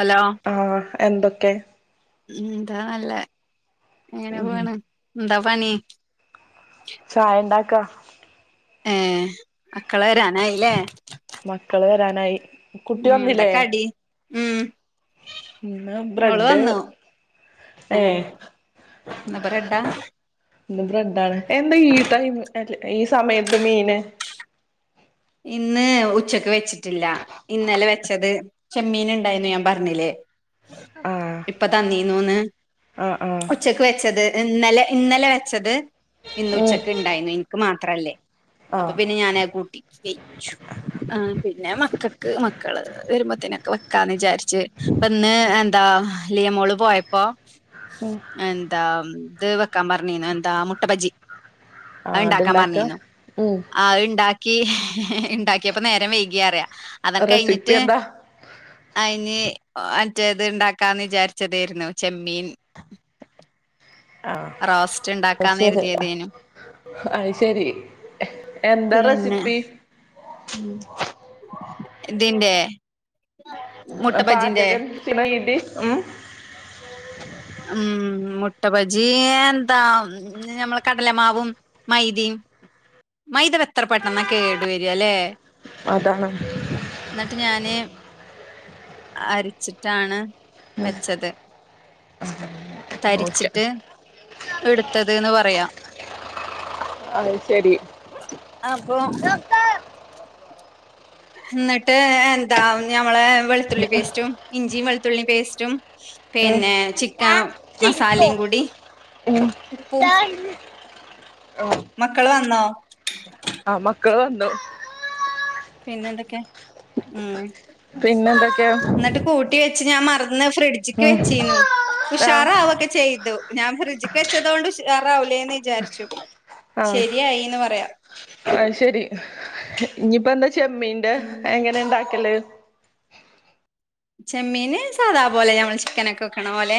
Hello ആ എന്തൊക്കെ ഉം ഇതാല്ലേ എങ്ങനെ ഉം പോണ് എന്താ പണി ചായുണ്ടാ ക് ഏ മക്കള് വരാറായില്ലേ മക്കള് വരാനായി കുട്ടി ഉ വന്നില്ലേ എന്തൊക്കെ കടി മ ഇന്ന് ഓള് ബ്രെഡ് വന്നു ആ ഏഹ് ഇന്ന്‌ ബ്രഡാ ഇന്ന്‌ ബ്രെഡാണ് എന്താ ഈ ടൈം അല്ല ഈ സമയത്ത് മീന്- ഇന്ന് ഉച്ചക്ക് വെച്ചിട്ടില്ല ഇന്നലെ വെച്ചത് ചെമ്മീൻ ഉണ്ടായിരുന്നു ഞാൻ പറഞ്ഞില്ലേ ആഹ് ഇപ്പൊ തന്നീന്നൂന്ന് ആഹ് ആഹ് ഉച്ചക്ക് വെച്ചത് ഇന്നലെ ഇന്നലെ വെച്ചത് ഇന്ന് ഉം ഉച്ചക്കെ ഉണ്ടായിരുന്നു എനിക്ക് മാത്രല്ലേ അപ്പൊ ആഹ് പിന്നെ ഞാന് കൂട്ടി വെച്ചു ആ പിന്നെ മക്കൾക്ക് മക്കള് വരുമ്പോത്തേനൊക്കെ വെക്കാന്ന് വിചാരിച്ച് ഇപ്പൊ ഇന്ന് എന്താ ലിയമോള് പോയപ്പോ ഉം ആ എന്താ ഇത് വെക്കാൻ പറഞ്ഞിനു എന്താ മുട്ടബജി അത് ആഹ് ഉണ്ടാക്കാൻ അത്ണ്ടാക്കാ പറഞ്ഞിനു ഉം ആ ഉണ്ടാ ഈ ഇണ്ടാക്കിയപ്പോ നേരം വൈകിയ അറിയാം അതങ്ങ് റെസിപ്പി കഴിഞ്ഞിട്ട് എന്താ അയിന് മറ്റേ ഇത് ഇണ്ടാക്കാന്ന് വിചാരിച്ചതായിരുന്നു ചെമ്മീൻ റോസ്റ്റ് അ ഇണ്ടാക്കാന്ന് ശരി കരുതിയതേനു. അ ശരി എന്താ പിന്നെ റെസിപ്പി ഉം ഇതിന്റെ- മുട്ട ബജിന്റെ പാചകം [unintelligible] ഉം ഉം മുട്ടഭജി എന്താ ഞമ്മളെ കടലമാവും മൈതീം മൈദ പ്പോ എത്ര പെട്ടെന്നാ കേടുവരല്ലേ അതാണ് ഞാന് അരിച്ചിട്ടാണ് വച്ചത് ഓക്കെ തരിച്ചിട്ട് എടുത്തത്ന്ന് പറയാ അ ശരി ആപ്പോ എന്നിട്ട് എന്താ ഞമ്മളെ വെളുത്തുള്ളി പേസ്റ്റും ഇഞ്ചിയും വെളുത്തുള്ളി പേസ്റ്റും ഏഹ് പിന്നെ ചി ക്യാം ഞാൻ ചിരിക്കും മസാലയും കൂടി ഉം ഉപ്പും ആഹ് മക്കള് വന്നോ ആഹ മക്കള് വന്തോ പിന്നെ എന്തൊക്കെ ഉം പിന്നെ എന്തൊക്കെയാ ഇച്ച് ഞാൻ മറ അന്ന് ഫ്രിഡ്ജിക്ക് ഉം വെച്ചീു ആഹ് ഉഷാറാവൊക്കെ ചെയ്തു ഞാൻ ഫ്രിഡ്ജ് വെച്ചത് കൊണ്ട് കാറാവൂലേന്ന് വിചാരിച്ചു ആഹ ശരിയായിന്ന് പറയാ ആ ശരി ഇനിയിപ്പ എന്താ ചെമ്മീണ്ട് ഉം എങ്ങനെ ഉണ്ടാക്കല്ലേ ചെമ്മീന് സാധാ പോലെ ഞമ്മൾ ചിക്കന ഒക്കെ വെക്കണ പോലെ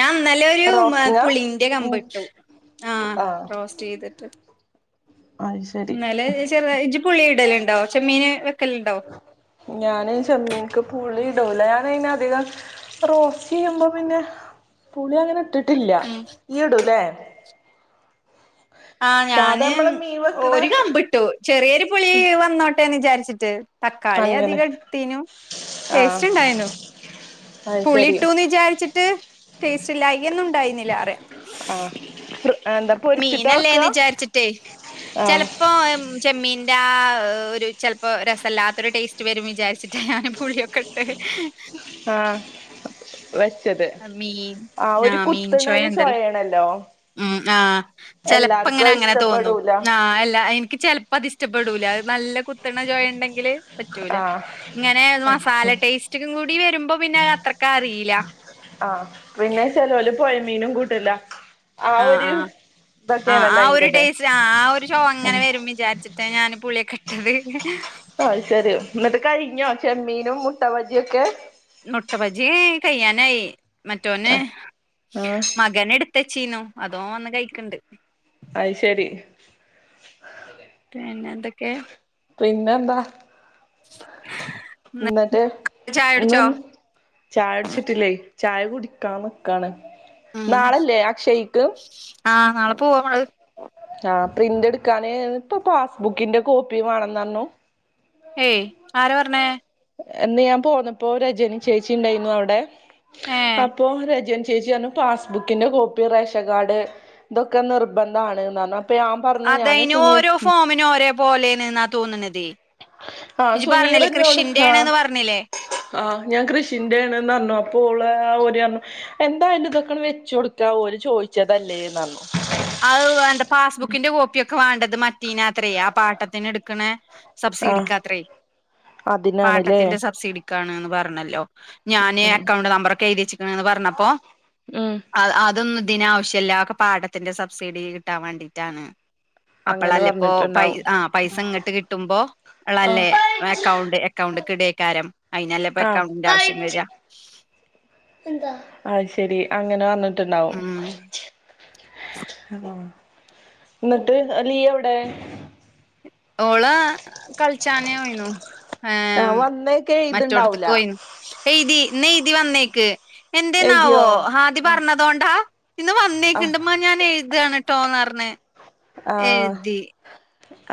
ഞാൻ നല്ലൊരു റോസിങ്ങാ പുളിന്റെ ഉം കമ്പ് ഇട്ടു ആ ആഹ് റോസ്റ്റ് ചെയ്തിട്ട് അത് ശരി ഇന്നലെ ചെറുതായിജ്ജ് പുളി ഇടല ഉണ്ടാവോ ചെമ്മീൻ വെക്കല്ലുണ്ടാവോ ഞൻ ചെമ്മീനിക്ക് പുളി ഇടൂല ഞൻ അധികം റോസ്റ്റ് ചെയ്യുമ്പോ പിന്നെ പുളി അങ്ങനെ ഇട്ടിട്ടില്ല ഇഞ്ടുലെ ആ ആ ഞാന് നമ്മള് മീൻ വെക്കണ ഒരു കമ്പിട്ടു ചെറിയൊരു പുളി വന്നോട്ടേന്ന് വിചാരിച്ച ഈറ്റ് തക്കാളി അങ്ങനെ അധികം എടുത്തനു ആഹ് ടേസ്റ്റ് ഉണ്ടായിരുന്നു അത് പുളി ശരി ഇട്ടുന്ന് വിചാരിച്ചിട്ട് ടേസ്റ്റ്ല്ലായിന്നുംണ്ടായിുന്നില്ലറെ ആഹ് ഫ്ര എന്താ മീൻ പൊരിച്ചിട്ടാ വെക്കാ വിചാരിച്ചിട്ടേ ആഹ് ചെലപ്പോമം ചമ്മീ യിന്റെ ആ ഒരു ചെലപ്പോ രസല്ലാത്തൊരു ടേസ്റ്റ് വരും വിചാരിച്ചിട്ട് ഞൻ പോയ്‌ നോക്കട്ടെ ആഹ മീൻ ആ മീൻ ചൊയ കുത്ത്ണൊരു ഉണ്ടല്ലോ ചൊയേണല്ലോ ഉം ആഹ ചെലപ്പോ എല്ലാർക്കും ഇങ്ങനെ അത് അങ്ങനെ തോന്നും ഇഷ്ടപ്പെടൂല ആ എല്ലാ ചിലപ്പോ അത്ഷ്ടപ്പെടൂല അത് നല്ല കുത്തണ ചോയ ഉണ്ടെങ്കില് പറ്റൂല ആഹ് ഇങ്ങനെ മസാല ടേസ്റ്റും കൂടി വരുമ്പോ പിന്നെ അത്രക്ക അറിയില്ല ആ പിന്നെ ചേലോല് പോ മീനും കൂട്ടില്ല ആ ആ ആ ആ ഒരു അയിന്റത് ടെസ്റ് ആ ആ ഒരു ചൊവ അങ്ങനെ വരും വിചാരിച്ചിട്ട് ട്ടാ ഞാൻ പുളിയൊക്കെ ഇട്ടത് ആ അത് ശെരി എന്നിട്ട് കഴിഞ്ഞോ ചെമ്മീനും മുട്ട ബജി ഒക്കെ മുട്ടബജി കയ്യാനായി മറ്റോന് ആഹ് മകൻ എടുത്തച്ചീന്നു അതോ വന്ന് കഴിക്ക്ണ്ട് അയ് ശരി പിന്നെ എന്തൊക്കെ പിന്നെ എന്താ ന്ന് എന്നിട്ട് ചായ കുടിച്ചോ? ഇന്നും ചായുടിച്ചിട്ടില്ലേ ചായ കുടിക്കാ നിക്കാണ് നാളല്ലേ അക്ഷയ്ക്ക് ആ നാളെ പോവാ നമ്മള് ആ പ്രിന്റ് എടുക്കാന് ഇപ്പ പാസ്ബുക്കിന്റെ കോപ്പി വേണംന്ന് പറഞ്ഞു ഏയ് ആരാ പറഞ്ഞേ ഇന്ന് ഞാൻ പോന്നപ്പോ രജനി ചേച്ചി ഉണ്ടായിരുന്നു അവിടെ ഏഹ്. അപ്പോ രജനി ചേച്ചി പറഞ്ഞു പാസ്ബുക്കിന്റെ കോപ്പി റേഷൻ കാർഡ് ഇതൊക്കെ നിർബന്ധണ്ന്നു പറ അത് അയിന് ഓരോ ഫോമിനും ഓരേ പോലെയാണ് എന്ന് തോന്നുണത്, ആ ഇജ്ജ് പറഞ്ഞില്ലേ സുനീറിനോട് കൃഷിന്റെ ആ ആണ്ന്ന് പറഞ്ഞില്ലേ. ശിന്റെയാണുന്നു പറഞ്ഞു അപ്പ ഓള് ആ ഓര് പറഞു എന്തായാലും ഇതൊക്കെ വെച്ച് കൊടുക്കാ ഓര് ചോദിച്ചതല്ലേന്നു പറഞു അത് അന്റെ പാസ്ബുക്കിന്റെ കോപ്പിയൊ ഒക്കെ വേണ്ടത് മ തീനാ ത്രേ ആ പാട്ടത്തിന് എടുക്കണ ആ സബ്സിഡിക്ക് ആത്രേ അതിനാണല്ലേ പാട്ടത്തിന്റെ സബ്സിഡിക്കാണ്ന്നു പറഞല്ലോ ഞാന് ഉം അക്കൗണ്ട് നമ്പർ ക്കെഴുതി വെച്ചി ന്ന് പറഞ്ഞപ്പോ ഉം അ അതൊന്നു അതിന് ആവശ്യല്ല അതൊക്കെ പാട്ട ത്തിന്റെ സബ്സിഡി കിട്ടാൻ വേണ്ടിയിട്ടാണ് അങ്ങനെ അപ്പളല്ലേ ഇപ്പോ പൈസ പറഞ്ഞിട്ടുണ്ടാവും ആ പൈസ ഇങ്ങോട്ട് കിട്ടുമ്പോ ഉള്ളല്ലേ അക്കൗണ്ട് അക്കൗണ്ട് കിടെക്കാരം ആ അത് ശരി അങ്ങന വന്നില്ല ണ്ടാവും [inaudible] ഉം ആ [inaudible] എന്നിട്ട് അല്ലയ്യ് എവിടെ ഓളാ കൾ ച്ചായ്ണു ആ ആഹ് വന്നേക്കെ മറ്റോട്ത്ത്ക്ക് എഴുതുണ്ടാവൂല പോയിണു എയ്തി ന്നെ എയ്തി വന്നേക്ക് എഴുതിയോ എന്തേന്നാവോ ആദി പറഞ്ഞതോണ്ടാ ഇന്ന് ആഹ് വന്നേക്കിണ്ട്മ്മാ ഞാൻ എഴുതാണ് ട്ടൊന്നർഞ്ഞ് ആഹ് എഴ്തി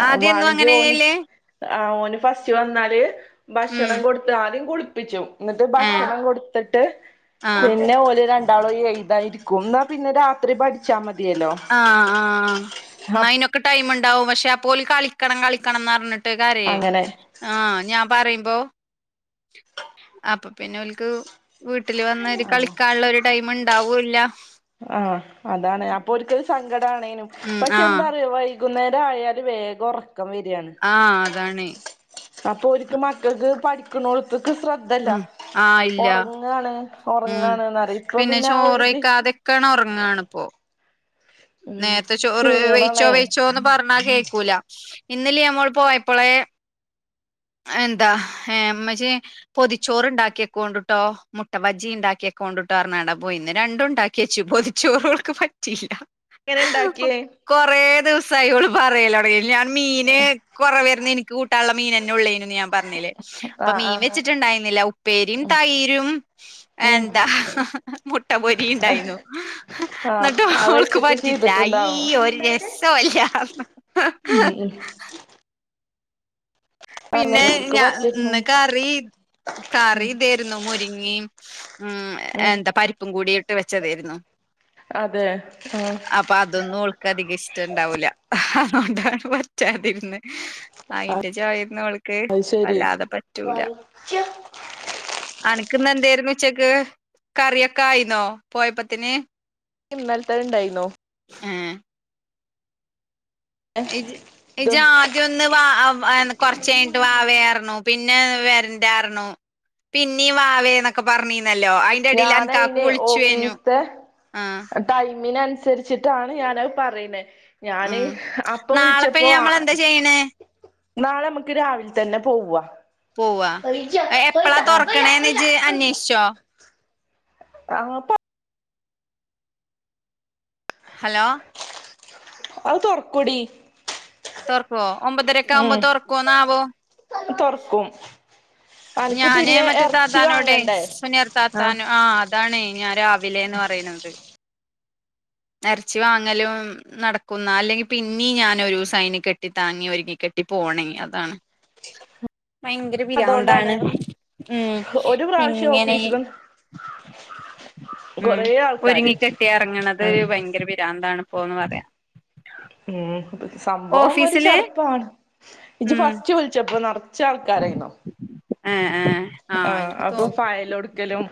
ആദ്യം എന്നും അങ്ങനെ ചെയ്യൽ ആ ഓന് ഫസ്റ്റ് വന്നാല് അ ഉം ഭക്ഷണം കൊടുത്ത് ആദ്യം കു പ്പിച്ചു ന്നട്ട് ഏഹ് ഭക്ഷണം കൊടുത്തിട്ട് ആഹ് പിന്നെ ഓല് രണ്ട് ണ്ടാളും എഴ്താനിരിക്കും ന്നാ പിന്നെ രാത്രി പഠിച്ചാ മതി അ ആ ന്നാ അയിനൊ ടൈം ഇണ്ടാവും പക്ഷെ അപ്പൊ ഓല് കളിക്കണം കളിക്കണംന്ന്റ്ഞ്ഞിട്ട് ട്ടൊയ്ക്കാരെയ് അങ്ങനെ ആ ഞാ പറിം പ്പൊ [inaudible] അപ്പൊ പിന്നോല്ക്ക് വീ ട്ടിൽ വന്ന ഒരു കളിക്കാന്ള്ള ഒരു ടൈം ണ്ട് ണ്ടാവൂല്ല ആ അതാണ് അപ്പൊ ഓൽക്ക് കടാണെനും ഉം പക്ഷേ ആഹ് എന്താണ് വൈ കുന്നേരായാല് വേഗോർ ആ അതാണെ അപ്പൊ ഒര്ക്ക് മക്കൾക്ക് പഠിക്കണോ പ്പക്ക് ശ്രദ്ധല്ല ഉം ആഹ് ഇല്ല ഒറങ്ങാണ് ഉം ഒറങ്ങാണ് ന്നറിം ഇപ്പ പിന്നെ ആ ഒര്ത് ക്കണ ഒറങ്ങാണ് പ്പോ ഉം നേരത്തെ ചോറ് ക്ഷീണാണേ വൈച്ചോ എങ്ങനെ വൈച്ചോന്ന് പറഞ്ഞ കേക് കുല ഇന്നലെ മ്മള് പ്പോയപ്പളെ എന്താ ഏമ് മ്മച്ചിയെ പൊതിച്ചോറ് ണ്ടാക്കിയെക്കോണ്ടിട്ടോ മുട്ട ബജ്ജി ണ്ടാക്കിയക്കോണ്ടിട്ടോ ർഞ്ഞാണ്ടാ പോയെ ഇന്ന് രണ്ടും ണ്ടാക്കിയച്ചു പൊതിച്ചോറോൾക്ക് പറ്റില്ല ഇണ്ടാക്കിയേ കൊറേ ദിവസം സ [unintelligible] പറയല്ലെ അറിയും ഞാൻ മീന് കൊറവേരുന്ന് എനി കൂട്ടാന്ള്ള മീന് ന്നുള്ളേനുന്ന് ഞാൻ പറഞ്ഞിലെ അപ്പൊ ആഹ് മീൻ ആഹ് വെച്ചിട്ടുണ്ടായിരുന്നില്ല ഉപ്പേരീം തൈരും ഉം എന്താ മുട്ട പൊരി ഇണ്ടാരുന്നു ആഹ് ന്നിട്ട് അത് ഓൾക്ക് വെച്ചിട്ട് പറ്റീലായീ ചെയ്തിട്ടുണ്ടാവും ഒരു രസൊല്യാന്ന് ഉം ഉം പിന്നെ അങ്ങനെ ഓര്ക്ക് ഞാ പറ്റും ഇന്ന് ഉം കറി കറി ദേരുന്നു മുരിങ്ങീം മ്ം ഉം എന്താ പരിപ്പും കൂടി വെച്ചതേരുന്നു അതെ ആ അതൊന്നും ഓൾക്ക് അധികം ഇഷ്ട്ടം ഇണ്ടാവൂല അതൊണ്ടാണ് പറ്റാതിരുന്നെ അയിന്റെ ചൊയ ന്നോള് അയ്ശരി ക്ക്‌ ന്ന് എന്തേരുന്നു ഉച്ചക്ക് കറിയൊക്കെ ആയിന്നോ പോയപ്പത്തിന് ഇന്നൽത്തേണ്ടായിന്നോ ഏ ഇജ് ഇജ്ജാദ്യം ഒന്ന് വാ ആ വാ ന്ന് കൊറച്ചേഞ്ഞിട്ട് വാവയാർന്നു പിൻ പിന്നെ വരണ്ടാരുന്നു പിന്നീം വാവേന്നൊക്കെ പറഞ്ഞ് ന്നല്ലോ അയിന്റെ അടിയില് അൻ ഞാനയിനെ [unintelligible] ഞ്ഞു ആ മിന് അനുസരിച്ചിട്ടാണ് ഞാനത് പറയ്ന്നേ ഞാന് ഉം അപ്പൊ വിളിച്ചപ്പോ നാളെപ്പനി ആ നമ്മളെന്താ ചെയ്യണേ നാളെ നമുക്ക് രാവിലെ തന്നെ പോവ്വാ പോവാ എ എപ്പളാ തൊറക്കണേ ഒഴിച്ച ന്ന് ഒഴിച്ച ജ്ജ് ഒഴിച്ച അന്വേഷിഷൊ ആ [unintelligible] ഹലോ അത് തൊറക്കൊടീ തൊറക്കോ ഒമ്പതരയൊക്കെ ആവുമ്പോൾ തൊറക്കോ ന്ന് ആവോ തൊർക്കും ഞാനേ മറ്റേ താത്താനോടെ വാങ്ങണ്ടേ സുനിയർ ആഹ് താത്താനൊ ആ അതാണ് ഞാൻ [unintelligible] വിലയിന്ന് പറയുന്നത് ഇറച്ചി വാങ്ങലും നടക്കുന്ന അല്ലെങ്കിൽ പിന്നീ ഞാൻ ഒരു സൈന് കെട്ടി താങ്ങി ഒരുങ്ങി കെട്ടി പോണെ അതാണ് ഭയങ്കര പിരാ താണ് ഒരു പ്രാവശ്യം ഇങ്ങനെ ഓഫീസില ഉം ഒരുങ്ങി കെട്ടി ഇറങ്ങണത് ഉം ഭയങ്കര പിരാന്താണ് പോന്ന് പറയാം ഉം സംഭവം ഒരു ചടപ്പാണ് ഇജ് ഉം ഫസ്റ്റ് വിളിച്ചപ്പോ നട ച്ച ആൾക്കാരായിന്നോ ആ ആ ആ അപ്പൊ ഫയലൊടുക്കലും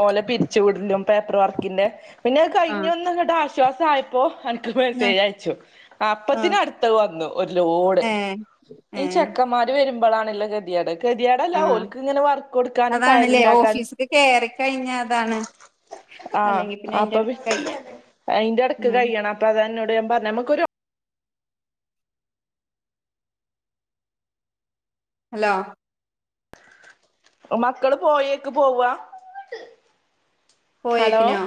ഓല പിരിച്ചുവിടലും പേപ്പർ വർക്കിന്റെ പിന്നെ കഴിഞ്ഞ് ഒന്നങ്ങട്ട ശ്വാസായപ്പോ അൻ ആഹ് മെസ്സേജ് അയച്ചു ആഹ് അപ്പത്തിന് അടുത്ത വന്നു ഒരു ലോഡ് ഏഹ് ഈ ഏഹ് ചെക്കന്മാര് വരു മ്പളാണ് ള്ള ഗതികേട് ഗതികേടല്ല ഓൽക്ക് ഇങ്ങനെ വർ അതാണ്ല്ലേ ഓഫീസില് കയറി കഴിഞ്ഞ അതാണ് ആഹ് അല്ലെങ്കി പിന്നെ അയിന്റെ അപ്പൊ പി അടുത്ത് കയ്യാം അയിന്റെ എടക്ക് ഉം കഴിയണം അപ്പൊ അതാ അന്നോട് ഞാ പറഞ്ഞ നമക്കൊരു ഹലോ മക്കള് പോയേക്ക് പോവാ ഹലോ പോയേക്കിനോ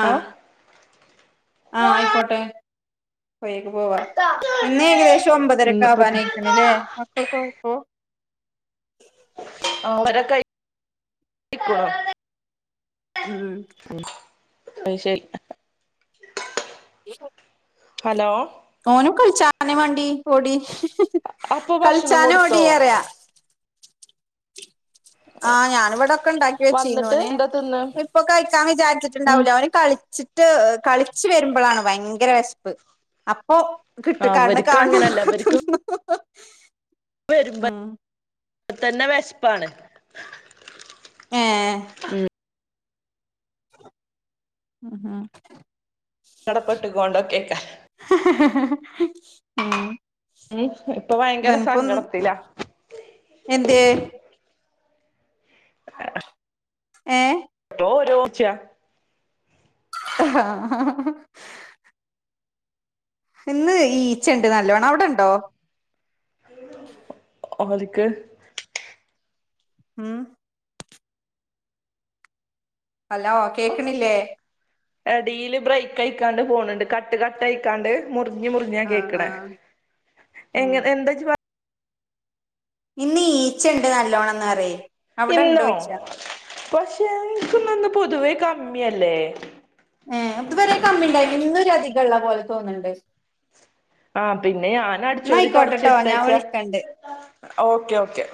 ആ ആഹ് ആ ആയിക്കോട്ടെ പോയി പോവാ ഇന്ന് ഏകദേശം ഒമ്പതരക്കെ നാപ്പത്തി ആവാനയിക്കണല്ലേ ആഹ് മക്കൾ പോ ഓ ഓ ഓരക്കഴി ഇക്കു ഉം അ ശരി [unintelligible] ഹലോ ഓനും കളിച്ചാന്നെ വണ്ടി ഓടി അപ്പൊ ഭക്ഷണം കളിച്ചാനും കൊടുത്തോ ഓടറിയ ആഹ് ഞാനിവിടെക്കെ ഉണ്ടാക്കി വെച്ചീന്നു വന്നിട്ട് ഓന് എന്താ തിന്ന് ഇപ്പൊ കഴിക്കാൻ ഉം വിചാരിച്ചിട്ടുണ്ടാവൂല്ല ഓന് കളിച്ചി ട്ട് കളിച്ച് വരുമ്പോഴാണ് ഭയങ്കര വിശപ്പ് ഓഹ് ക് ട്ട് കണ്ണ് അവർക്ക് കാൺണ വെര്മ്പ ത്തന്നെ വെശ്പ്പാണ്. ഏഹ് ഉംഹ് ഉംഹ് ആഹ് കടപെട്ട്കോണ്ടക്കെയ്ക്കാരം മ് ഇപ്പൊ ഭയങ്കര ഇവനിപ്പം സങ്കടത്തിലാ എന്ത്യേ ഏഹ് [unintelligible] ഇന്ന് ഈച്ചണ്ട് നല്ലോണം അവ്ടണ്ടോ? ഓരക്ക് മ്മ് ഹലോ കേക്ക്ണില്ലേ എടേല് ബ്രേയ്ക്കായിക്കാണ്ട് പോണ് ണ്ട് കട്ട് കട്ട് ആയ്ക്കാണ്ട് മുറി റിഞ്ഞ് മുറിഞ്ഞാ ആ ആ കേക്ക്ണെ ഉം എങ്ങൻ എന്താ ഇജ് പ ഇന്ന് ഈച്ച ണ്ട് നല്ലോണംന്ന് റയ് ഇന്നോ പഷേ എൻക്കിന്നൊന്ന് പൊതുവേ കമ്മിയല്ലേ ഏഹ് ഇതുവരെ കമ്മി [unintelligible] ഇന്നൊരധികള്ള പോലെ തോന്ന്ണ് ണ്ട് ആഹ് പിന്നെ ഞാനടിച്ചുവാരി ആയിക്കോട്ടെട്ടോ ഞാൻ തൊടച്ചിട്ടെച്ച വിളിക്കണ്ട് ഓക്കെ ഓക്കെ